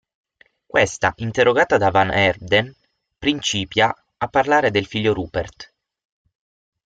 Questa, interrogata da van Heerden, principia a parlare del figlio Rupert.